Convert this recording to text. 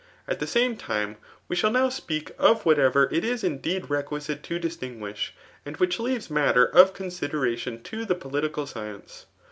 At the same time, we shall now speak of whatever it is indeed reqiiiote to distingui^) )ei1m1 which leaves matter of consideratbn to the politiiafl science.